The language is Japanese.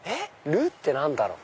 「ル」って何だろう？